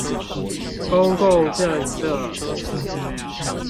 公共政策